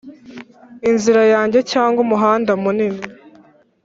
inzira yanjye cyangwa umuhanda munini